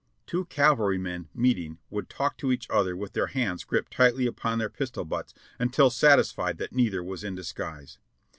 Two cavalrymen meeting would talk to each other with their hands gripped tightly upon their pistol butts until satisfied that neither was in disguise.